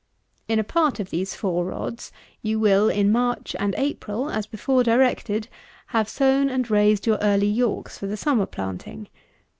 In a part of these four rods you will, in March and April, as before directed, have sown and raised your Early Yorks for the summer planting.